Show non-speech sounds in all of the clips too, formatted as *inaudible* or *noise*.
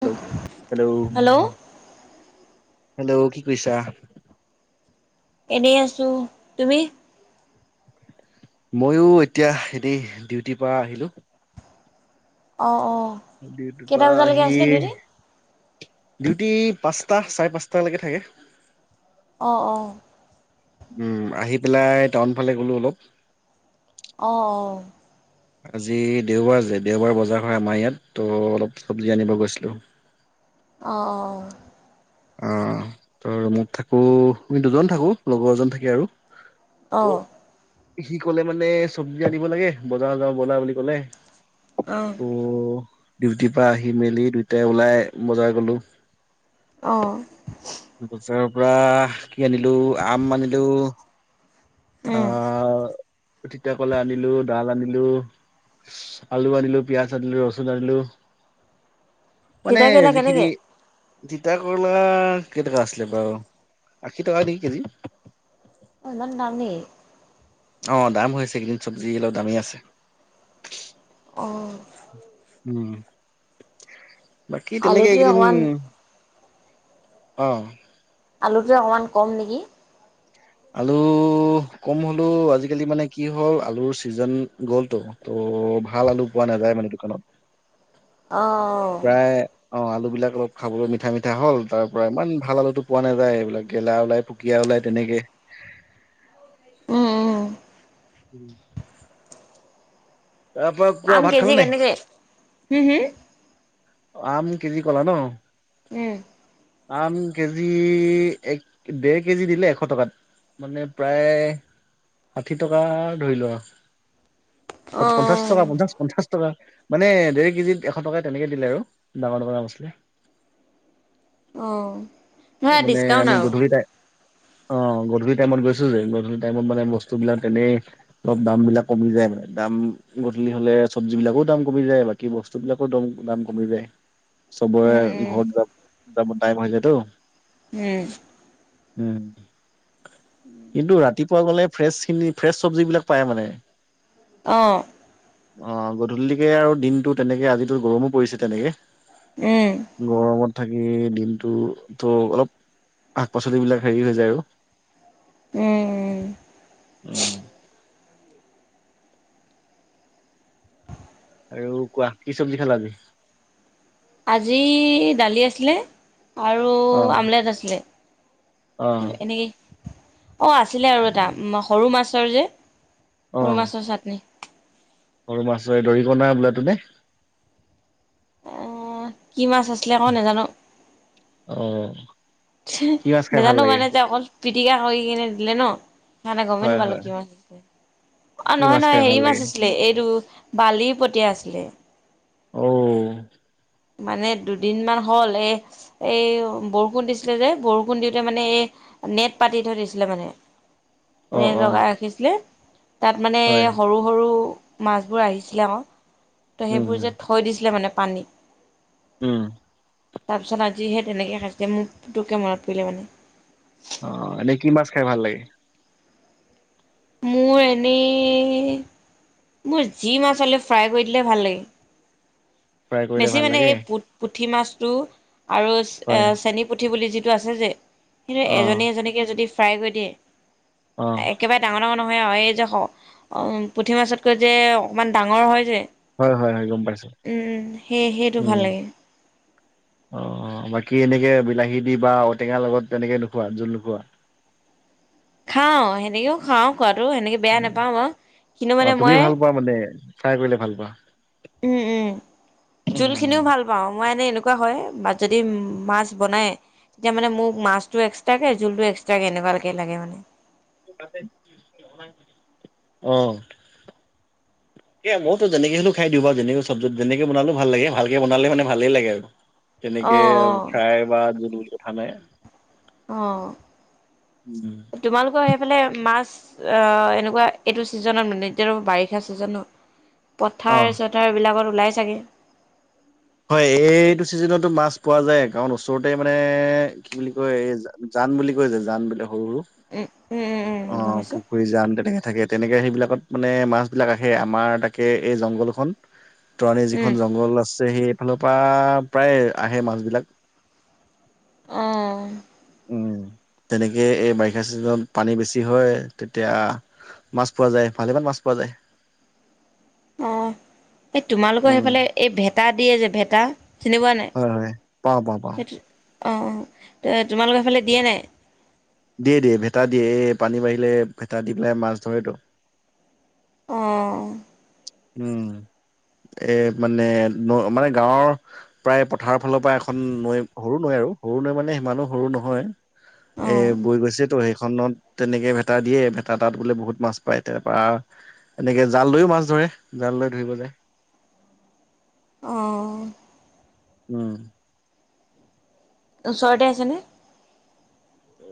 Hello hello. Hello কি কৰিছা? এনেই আছোঁ তুমি? মইয়ো এতিয়া এনেই, ডিউটিৰ পৰা আহিলো। অ' অ'। ডিউটি কেইটা পৰা বজালৈকে আহি আছিলে ডিউটি ৰাতি পাঁচটা, চাৰে পাঁচটালৈকে থাকে। অ অ উম্ আহি পেলাই টাউন ফালে গ'লো অলপ। অ', অ'। আজি দেওবাৰ যে দেওবাৰ বজাৰ হয় আমাৰ ইয়াত ত' অলপ চব্জি আনিব গৈছিলোঁ। *inaudible* অ 'অ'। অ' ত' ৰুমত থাকো আমি দুজন থাকো, লগৰজন থাকে আৰু। ত' অ'। সি ক'লে মানে চব্জি আনিব লাগে বজাৰ যাওঁ বলা বুলি ক'লে। অ'। ত' ডিউটিৰ পৰা আহি মেলি দুইটাই ওলাই বজাৰ গ'লো। অ'। বজাৰ পৰা কি আনিলো আম আনিলো উম অ' তিতাকলা আনিলো, ডাল আনিলো আলু আনিলো, পিঁয়াজ আনিলো, ৰচুন আনিলো। মানে তিতা কেৰেলা যিখিনি কেনেকে তিতা কৰলা কেই টকা আছিলে বাউ আশী টকা নেকি কেজি। অ' ইমান দাম নে? অ' দাম হৈছে কিন্তু চব্জি অলপ দামেই আছে। অ উম্। বাকী তেনেকে আলুটোৱে এইকেইদিন অকমান অ'। আলুটোৱে অকণমান কম নেকি? আলু হ কম হ'লেও আজালি মানে কি হ'ল আলু চিজন গ'লটো, ত' ভাল আলু পোৱা না নাযায় মানে দোকানত। অ'। প্ৰায় অ আলু বিলাক অলপ খাবলৈ মিঠা, মিঠা হ'ল। তাৰ পৰা ইমান ভাল আলুতো পোৱা নাযায় এইবিলাক গেলা ওলাই, পুকীয়া ওল লাই তেনেকে উম উম উম্। তাৰ পৰা কোৱা আম ভাত কেজি খালা নে নাই? কেনেকে হম অ' আম তিনি কলা ন? উম্। আম কেজি এক দেৰ কেজি দিলে এশ টকাত। মানে প্ৰায় ষাঠি টকা ধৰিল'। ক'ত পঞ্চাশ টকা পঞ্চাশ পঞ্চাশ টকা মানে দেৰ কেজিত এশ টকা তেনেকে দিলে আৰু ডাঙৰ ডাঙৰ আম আছিলে। অ অ সেয়া মানে ডিচকাউণ্ট আমি আৰু গধূল তাই অ', গধূলি টাইমত গৈছো যে গধূলি টাইমত মানে বস্তু বিলাক তেনেই অলপ দাম বিলাক কমি যায় মানে দাম গধূলি হ'লে চবজ বিলাকো দাম কমি যায় বাকী বস্তুবলাকো দম দাম কমি যায় চবৰে উম ঘৰত য যাব টাইম হৈ যায়তো উম উম উম, কিন্তু ৰাতিপুৱা গ'লে ফ্ৰেছ খিনি ফ্ৰেচ চবজিবিলাক পায় মানে অ', অ', গধূলিকে আৰু দিনতটো তেনেকে আজিটো গৰমো পৰিছে তেনেকে উম গৰমত থাকি দিনটো তো অলপ শাক পাচলিবলাক হেৰি হৈ যায় আৰু উম, উম উম, আৰু কোৱা কি চবজি খালা আজি আজি দালি আছিলে আৰু অ আমলেট আছিলে অ এনেকেই অ', আছিলে আৰু এটা সৰু মাছৰ যে অ সৰু মাছৰ চাটনি দৰিক নাই বোলে তো নে আহ কি মাছ আছিলে ক নাজানো অ কি মাছ খাই ভাল নাজানো লাগে মানে যে অকল পিটিকা কৰি দিলে ন সেইকাৰে গমেই ন হয় পালো হয় কি মা অ', কি হয় মাছ খাই নহয় হেৰি ভাল মাছ লাগে আছিলে এইটো বালি পতিয়া আছিলে অ', মানে দুদিনমানান হ'ল এ এ বৰষুণ দিছিলে যে বৰষুণ দিওঁতে মানে এই নেট পাতি থৈ দিছিলে মানে অ নেট অ লগাই ৰাখিছিলে তাত মানে হয় সৰু সৰু মাছবোৰ আহিছিলে আক ত' উম সেইবোৰ উম যে থৈ দিছিলে মানে পানী উম, তাৰপিছত আজি সেই তেনেকৈ কাজে মোকটো কেমেৰাত পৰিলে মানে, অ ', এনেই কি মাছ খাই ভাল লাগে? মোৰ এনেই মোৰ যি মাছলে ফ্ৰাই কৰি দিলে ভাল লাগে ফ্ৰাই কৰিলে বেছি ভাল মানে লাগে এই পু পু পুঠি মাছটো আৰু হয় চেনি পুঠি বুলি যিটো আছে যে অ এজনী এজনীকে যদি ফ্ৰাই কৰি দিয়ে অ একেবাৰে ডা নহয় আৰু এই যে পুঠি মাছতকৈ যে অকণমান ডাঙৰ হয় যে হয়, হয়, হয়, গম পাইছো সেই সেইটো ভাল উম লাগে কি এনেকে বিলাহী দি বা ঔটেঙাৰ লগত তেনেকে নোখোৱা জোল নোখোৱা খাওঁ সেনেকেও খাওঁ খোৱাাতটো সেনেকে বেয়া নাপাওঁ বাৰ কিন্তু মানে মই চাই কৰিলে ভাল পোৱা উম, উম, জোল খিনিও ভাল পাওঁ মই এনে এনেকুৱা হয় বা যদি মাছ বনাই তেতিয়া মানে মোক মাছটো এক্সট্ৰাকে জোলটো একস এক্সট্ৰাক কেনেকুৱালৈকে লাগে মানে আহ, এ মইতো যেনেকে হ'লো খাই দিওঁ বু যেনেকে চব্জি যেনেকে বনালো ভাল লাগে ভালকে বালোনে ভালেই লাগে আৰু তেনেকে অঁ অঁ ফ্ৰাই বা জল কঠা নাই অ', উম, তোমালোকৰ মাছ অ', এনেকুৱা এইটো ছিজনত মানে এতিয়া বাৰিষা চিজনত পথাৰ অ'। চথাৰ বিলাকত ওলাই চাগে হয় এইটো চিজনতো মাছ পোৱা যায় কাৰণ ওচৰতে মানে কি বুলি কয় এই জান বুলি কৈছে জান বুলি উ, উম। উম উম গম অ' পাইছোঁ পুখুৰী জাম তেনেকে থাকে। তেনেকে সেইবিলাকত মানে মাছ বিলাক আহে আমাৰ তাকে এই জংঘলখন ত' আমি উম যিখন জংঘল আছে সেইফালৰ পৰা প্ৰায় আহে মাছবিলাক। অ'। উ, তেনেকে এই বাৰিষা চিজনত পানী বেছি হয় তেতিয়া মাছ পোৱা যায় ভালেমান মাছ পোৱা যায়। অ' এই তোমালোকৰ উম, সেইফালে এই ভেটা দিয়ে যে ভেটা চনেকুৱা নাই হয়, হয়, পাওঁ, পাওঁ, পাওঁ। সেইটো অঁ', অঁ' তোমালোকৰ এইফালে দিয়ে নাই। দিয় দিয় ভেটা দিয়ে এই পানী বাঢ়িলে ভেটা দি পেলাই মাছ ধৰেতো। আহ। উম। এ মানে ন মানে গাঁৱৰ প্ৰায় পথাৰৰ ফালৰ পৰা এখন নৈ সৰু নৈ আৰু সৰু নহ মানে সিমানো সৰু নহয় এ অঁ বৈ গৈছে তো সেই খনত তেনেকে ভেটা দিয়ে ভেটা তাত বোলে বহুত মাছ পায় তাৰ পৰা এনেকে জাল লৈও মাছ ধৰে। জাল লৈ ধুইব যায়। আহঁ। উম। ওচৰতে আছেনে?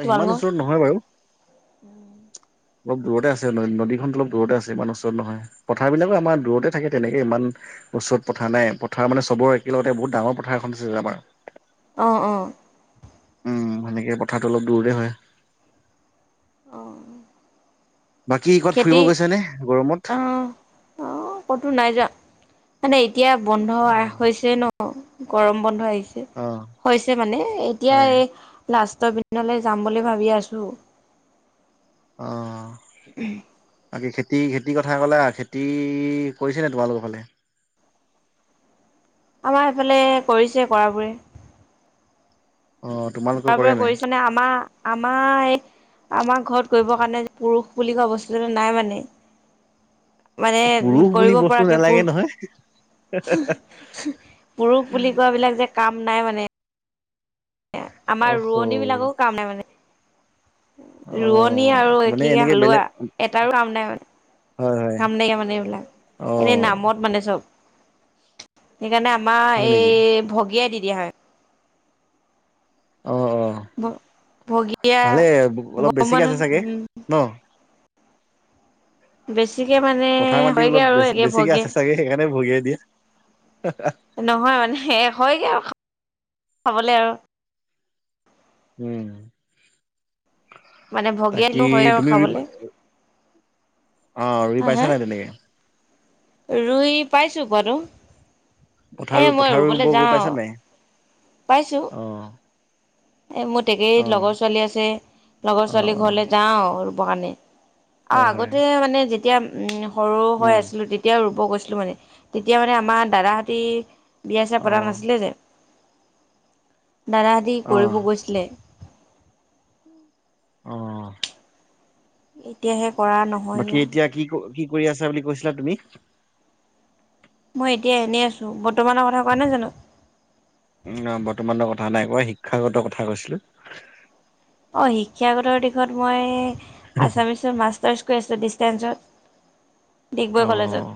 এ সিমান তোমালোকৰ ওচৰত নহয় বাৰু। অলপ দূৰতে আছে ন নদীখনত অলপ দূৰতে আছে ইমানাৰ ওচৰত নহয় পথাৰবিলাকো আমাৰ দূৰতে থাকে তেনেকে ইমান ওচৰত পথাৰ নাই পথাৰ মানে চবৰ একেলগতে বহুত ডাঙৰ পথাৰ এখন আছে আমাৰ। আহ আহ। উম, সেনেকে পথাৰটো অলপ দূৰৰে হয়। আহ। বাকী ক'ত ফুৰিব খেতি গৈছে নে গৰমত অ' ক'তো নাই যোৱা মানে এতিয়া বন্ধ অ হৈছে ন' গৰম বন্ধ আহিছে। অ হৈছে মানে এতিয়া হয় এই লাষ্ট লৈ যাম বুলি ভাবি আছো। অ'। উম। বাকে খেতি খেতিৰ কথা ক'লো খেতি কৰিছে নে তোমালোকৰ ফালে? *inaudible* আমাৰ এইফালে কৰিছে কৰাবোৰে। অ তোমালোকে তাৰ পৰা কৰে নাই কৰিছনে আমাৰ আমাৰ আমাৰ ঘৰত কৰিব কাৰণে পুৰুষ বুলি কোৱা বস্তুটো নাই মানে। মানে পুৰুষ বুলি কৰিব বস্তু পৰাকে নালাগে নহয় পুৰুষ পুৰুষ বুলি কোৱা বিলাক যে কাম নাই মানে। আমাৰ অহ হ ৰোৱনী বিলাকৰো কাম নাই মানে। অ ৰোৱনী আৰু মানে কি এনেকে হালোৱা বেলেগ এটাৰো কাম নাই মানে। হয় হয় কাম নাইিয়া মানে অ এইবিলাক এনে নামত মানে চ'ব। সেইকাৰণে আমাৰ হয় নেকি এই ভগিয়াই দি দিয়া হয়। অ', অ', ভগীয়া ভালে অলপ গম পোৱা বেছিকে আছে নহয় চাগে উম ন'? বেছি পথাৰ মাটি অলপ বেছি বেছিকে আছে চাগে সেইকাৰণে ভগিয়াই দিয়ে। নহয় মানে শেষ হয়গে আৰু খাবলে আৰু উম। মানে তাকি ভগিয়ালো হয় আৰু তুমি খাবলে অ ৰুই হা পাইছা হা নাই তেনেকে? ৰুই পাইছোঁ বাৰু। এ পথাৰ মই পথাৰ ৰুব ৰুবলৈ গৈ যাও, পাইছা নাই পাইছো। অ এ মোৰ অ *unintelligible* লগৰ ছোৱালী আছে, লগৰ অ ছোৱালী অ ঘৰলৈ যাওঁ ৰুবকাৰণে। অ হয় হয় আগতে মানে যেতিয়া উম সৰু হৈ উম আছিলো তেতিয়াও ৰুব গৈ তেতিয়া মানে আমাৰ দাদা হতে বিয়া-ছিয়া পতা চিয়া পতা অ নাছিলে যে। দাদাহতি অ', কৰিব গৈছিলে। অ। এতিয়াহে কৰা নহয়গে বাকী আৰু এতিয়া কি কি কৰি আছা বুলি কৈছিলা তুমি? মই এতিয়া এনেই আছো, বৰ্তমানৰ কথা কোৱা নাই জানো? উ বৰ্তমানৰ কথা নাই কোৱা, শিক্ষাগত কথা কৈছিলো। অ শিক্ষাগতৰ দিশত মই আছামিছৰ মাৰ্ছতাছ *unintelligible* ডিগবৈ কলেজত অ',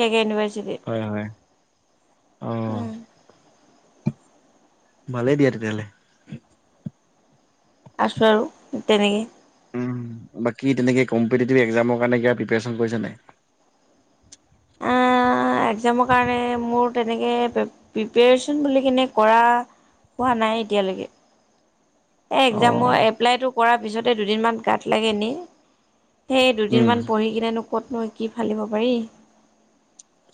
কে কে ইউনিভাৰ্চিটি। হয়, হয়, অ', উম। ভালেই দিয়া তেতিয়াহলে। আছো আৰু তেনেকে। বাকী তেনেকে কম্পিটিটিভ একজামৰ কাৰণে কিব প্ৰিপাৰেচন কৰি ছা নাই? একজামৰ কাৰণে মোৰ তেনেকৈ প্ৰিপেৰেছন বুলি কিনে কৰা পোহা নাই এতিয়ালৈকে। এ একজামৰ অ'। এপ্লাইটো কৰাৰ পিছতে দুদিনমান গাত লাগে এনেই। সেই উম, দুদিনমান পঢ়ি কিনেনো ক'তনো কি ফালিব পাৰি।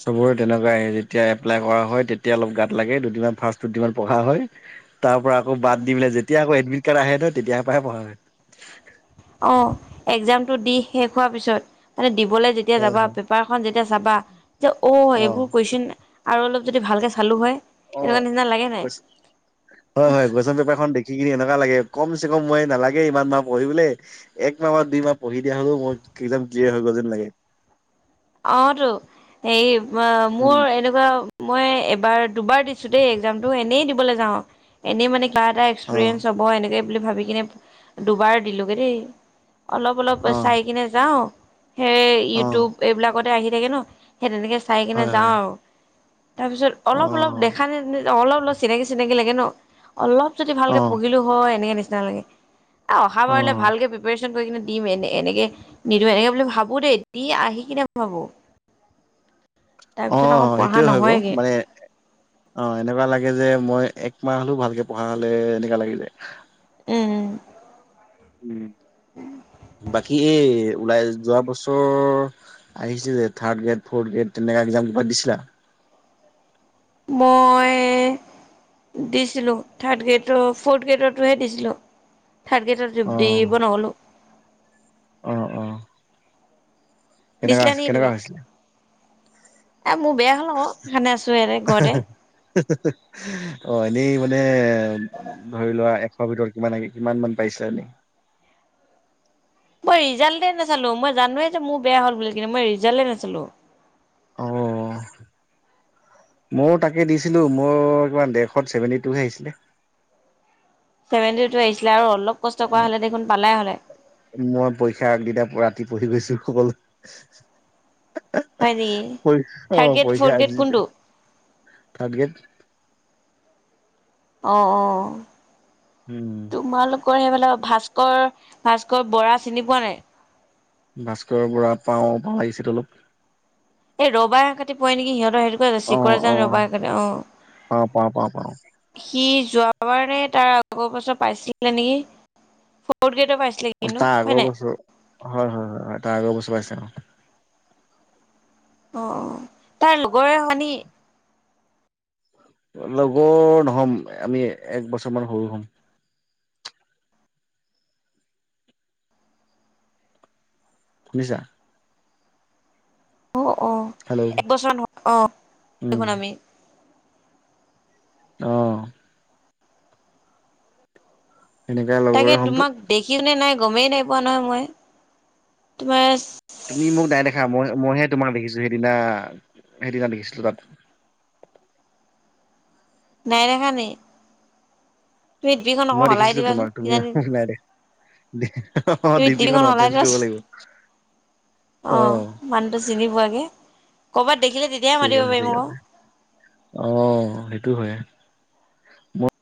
চবৰে তেনেকুৱা যেতিয়া এপ্লাই কৰা হয় তেতিয়া অলপ গাত লাগে দুদিনমান ফাৰ্ছ দুদিনমান পঢ়া হয়। তাৰ পৰা আকৌ বাদ দি পেলাই যেতিয়া আকৌ এডমিট কাৰ্ড আহে ন তেতিয়াৰ পৰাহে পঢ় হয়। অ একজামটো দি শেষ হোৱাৰ পিছত, মানে দিবলৈ যেতিয়া হয়, যাবা হয়, পেপাৰখন যে এতিয়া চাবা এয়া অ' এইবোৰ কুৱেশচন আৰু অলপ যদি ভালকৈ চালোঁ হয়। অ এনেকুৱা নিচিনা লাগে নাই হয় হয় কুৱেচন পেপাৰখন দেখি কিনি এ লাগে। কম চে কম মই নালাগে ইমান মাহ পঢ়িবলৈ একমাহ বা দুই মাহ পঢ়ি দিয়া হ'লেও মই যিয়ে হৈ গ যেন লাগে। অ তো হেৰি মোৰ উম। এনেকুৱা মই এবাৰ দুবাৰ দিছো দেই একজামটো, এনেই দিবলৈ যাওঁ, এনেই মানে কিবা এটা অ', এক্সপিৰিয়েঞ্চ হ'ব এনেকে বুলি ভাবি কিনে দুবাৰ দিলোগে দেই। অলপ অলপ অ', চাই কিনে যাও সেই অ', ইউটিউব এইবিলাকতে আহি থাকে ন। সেই তেনেকে চাই কিনে হয় যাওঁ হয়, আৰু তাৰপিছত অলপ অলপ অ', দেখা অলপ অলপ চিনাকি চিনাকি লাগে ন, অলপ যদি ভালকে অ', পঢ়িলো হয় এনেকে নিচিনা লাগে। অহা বাৰলে অ'। ভালকে প্ৰিপৰেন কৰি কিনে দিম এনে এনেকে নিদিম এনেকে বুলি ভাবো দেই। দি আহি *inaudible* অ তাৰপিছত আকৌ পঢ়া সেইটোয়ে হয় বাৰু, নহয়গে মানে অ এনেকুৱা লাগে যে মই মাহ হ'লেও ভালকে পঢ়া হলে এনেকা লাগিযায়। উম। উম বাকী এই ওলাই যোৱা বছৰ আহিছে যে থাৰ্ড গ্ৰেড ফৰ্থ গ্ৰেড তেনেকে এক্জাম কিবাত দিছিলা? মই দিছিলোঁ থাৰ্ড গ্ৰেডৰ ফৰ্থ গ্ৰেডতোহে দিছিলোঁ। থাৰ্ড অ', গ্ৰেডৰ দিব নহলো। অ অ কেনেুৱা, দিছিলা নেকি কেনেকুৱা তুমি হৈছিল? এ মোৰ বেয়া হ'ল আকৌ, সেইকাৰণে আছো ইৰে ঘৰতে। অ এনেই মানে ধৰি লোৱা এশ ভিতৰত কিমান কিমান মান পাই *unintelligible* মই ৰিজাল্টে নাচালো মই জানোৱেই যে মোৰ বেয়া হ'ল বুলি কি মই ৰিজাল্টেই নাচালো। অ'। ময়ো তাকে দিছিলো মোৰ ইমান দৰশত ছেভেনটি টুহে আহিছিলে। ছেভেনটি টু আহিছিলে আৰু অলপ কষ্ট কৰা হ'লে পালা হলহে। মই পৰীক্ষা আগদিনা ৰাতি পঢ়ি গৈছো সকলল হয় নেকি প, অ, থাৰ্ড গ্ৰেড পইক্ষা ফ'ৰ্থ আজ গ্ৰেড দে কোনটো থাৰ্গেত অ', অ'। হম। তোমালোকৰ সেইফালে ভাস্কৰ, ভাস্কৰ বৰা চিনি পোৱা নাই। ভাস্কৰৰ বুঢ় পাওঁ ভাল লাগিছে তলপ এই ৰবাই ক প নেকি সিহতৰ সেইটো অ চিকৰা যোন অ ৰবা সেইকাৰণে অ, পাওঁ পাওঁ পাওঁ পাওঁ সি যোৱাবাৰে তাৰ আগৰ পাছত পাইছিলে নেকি ফ গ অ, তাৰ আগৰ বছৰ হয়, হয়, হয়, হয় তাৰ আগৰ বছু পাইছে অ'। অ, তাৰ লগৰ এ, শনি লগৰ নহ'ম আমি এক বছৰ মান সৰু হ'ম। শুলিছা অ', অ', হেল্ল' একবছৰ নহয় অ, উম দেখোন আমি। আহ। সেনেকা তাকে লগৰে হ'মতো তোমাক দেখিও ন, নাই গমেই নাই পোৱা নহয় মই তোমাৰ তুমি মোক নাই দেখা, মই মইহে তোমাক দেখিছো, সেইদিনা, সেইদিনা দেখিছিলো তাত। *inaudible* নাই, দেখানি তুমি *unintelligible* মই সলাই দেখিছিলো দিবাচোন তোমাক তুমি কিজানি মোক নাই দেখা অ, তুমি দি পিখন অ, চেঞ্জ কৰিব লাগিব। অ আহ, মানুহটো চিনি পোৱাকে। কৰ'বাত দেখিলে তেতিয়াহে ঠিক মাতিব আছে, পাৰিম ঠিক আকৌ। আছে অ, সেইটো হয় মই